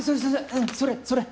うんそれそれ。